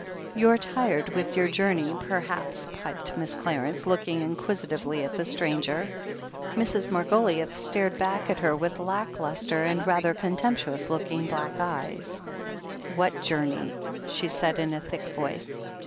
"You're tired with your journey perhaps," piped Mrs. Clarence, looking inquisitively at the stranger. Mrs. Margoliouth stared back at her with lack lustre and rather contemptuous looking black eyes. "] THE HEEL OF ACHILLES 189 ''What journey?" she said in a thick voice.